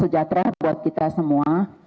sejahtera buat kita semua